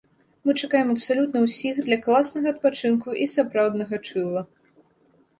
Мы чакаем абсалютна ўсіх для класнага адпачынку і сапраўднага чылла!